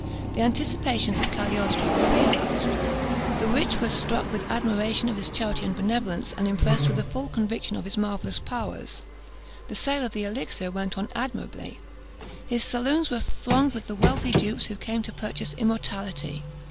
The anticipations of Cagliostro were realised. The rich were struck with admiration of his charity and benevolence, and impressed with a full conviction of his marvellous powers. The sale of the elixir went on admirably. His saloons were thronged with wealthy dupes who came to purchase immortality.